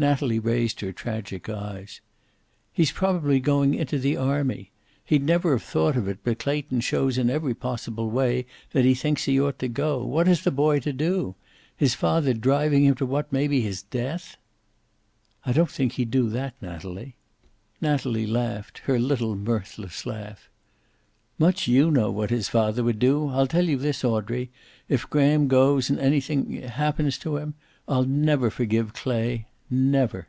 Natalie raised tragic eyes to hers. "He's probably going into the army. He'd have never thought of it, but Clayton shows in every possible way that he thinks he ought to go. What is the boy to do? His father driving him to what may be his death!" "I don't think he'd do that, Natalie." Natalie laughed, her little mirthless laugh. "Much you know what his father would do! I'll tell you this, Audrey. If Graham goes, and anything happens to him, I'll never forgive Clay. Never."